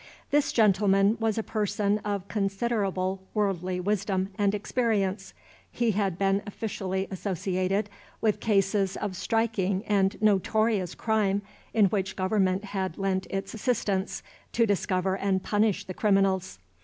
This gentleman was a person of considerable worldly wisdom and experience; he had been officially associated with cases of striking and notorious crime, in which Government had lent its assistance to discover and punish the criminals.